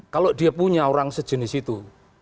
kalau dia punya orang sejenis itu